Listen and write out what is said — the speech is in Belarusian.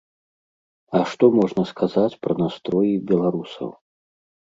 А што можна сказаць пра настроі беларусаў?